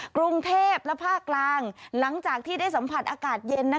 กรุงเทพและภาคกลางหลังจากที่ได้สัมผัสอากาศเย็น